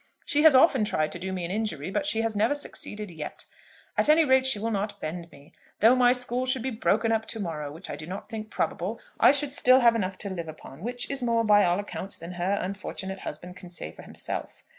She has often tried to do me an injury, but she has never succeeded yet. At any rate she will not bend me. Though my school should be broken up to morrow, which I do not think probable, I should still have enough to live upon, which is more, by all accounts, than her unfortunate husband can say for himself.